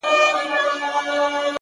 په دې پردي وطن كي ـ